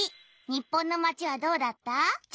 日本のまちはどうだった？